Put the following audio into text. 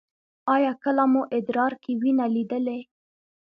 ایا کله مو ادرار کې وینه لیدلې؟